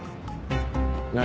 何？